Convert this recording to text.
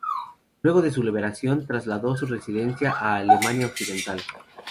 Luego de su liberación, trasladó su residencia a Alemania Occidental.